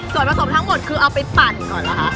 ส่วนผสมทั้งหมดคือเอาไปปั่นก่อนเหรอคะ